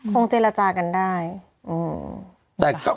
คงเจรจากันได้